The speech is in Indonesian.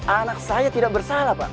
anak saya tidak bersalah pak